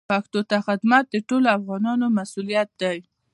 پښتو ته خدمت د ټولو افغانانو مسوولیت دی.